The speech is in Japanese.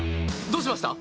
どうしました？